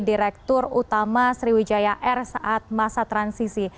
direktur utama sriwijaya air saat masa transisi